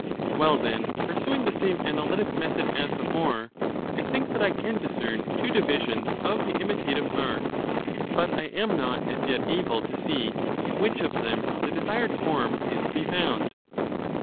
Well, then, pursuing the same analytic method as stramcbk. before, I think that I can discern two divisions of the imitative Thbabtetto. art, but I am not as yet able to see in whicfi "orTheffl"Qie Two kinds oSsired form is to be found.